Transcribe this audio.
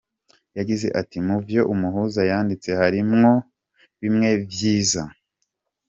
Yagize ati: "Mu vyo umuhuza yanditse harimwo bimwe vyiza.